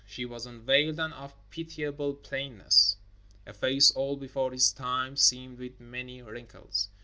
She was unveiled and of pitiable plainness; a face old before its time, seamed with many wrinkles.